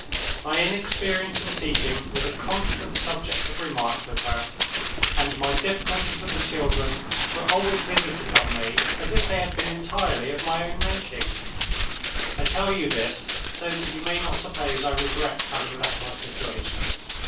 My inexperience in teaching was a constant subject of remark with her; and my difficulties with the children were always visited on me as if they had been entirely of my own making. I tell you this, so that you may not suppose I regret having left my situation.